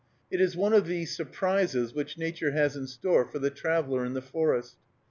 It is one of the surprises which Nature has in store for the traveler in the forest.